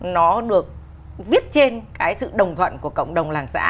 nó được viết trên cái sự đồng thuận của cộng đồng làng xã